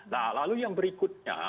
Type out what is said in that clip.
nah lalu yang berikutnya